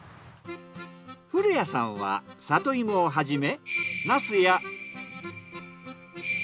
古谷さんは里芋をはじめ。